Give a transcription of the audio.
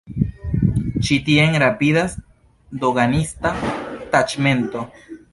Ĉi tien rapidas doganista taĉmento.